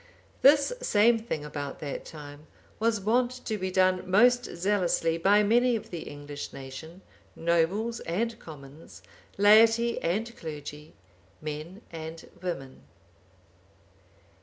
This same thing, about that time, was wont to be done most zealously by many of the English nation, nobles and commons, laity and clergy, men and women.